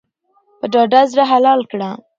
په ډاډه زړه حلال کړه.